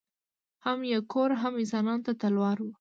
هم یې کور هم انسانانو ته تلوار وو